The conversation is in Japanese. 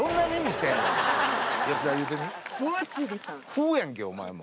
「フー」やんけお前も！